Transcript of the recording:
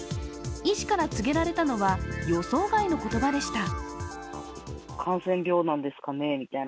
医師から告げられたのは予想外の言葉でした。